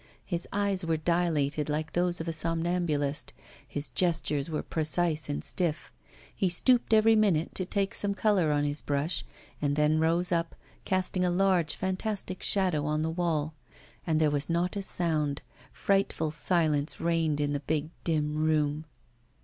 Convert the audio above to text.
His eyes were dilated like those of a somnambulist, his gestures were precise and stiff; he stooped every minute to take some colour on his brush, and then rose up, casting a large fantastic shadow on the wall. And there was not a sound; frightful silence reigned in the big dim room.